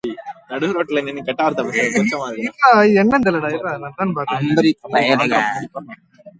The competition consists of seven multiple choice tests, two performance events, and an essay.